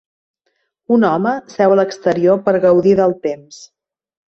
Un home seu a l'exterior per gaudir del temps